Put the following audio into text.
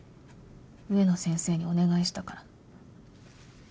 植野先生にお願いしたから。